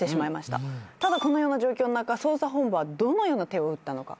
ただこのような状況の中捜査本部はどのような手を打ったのか？